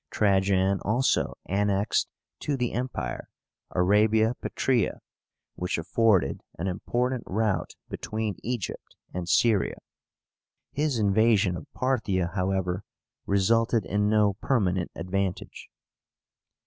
Trajan also annexed to the Empire Arabia Petraea, which afforded an important route between Egypt and Syria. His invasion of Parthia, however, resulted in no permanent advantage.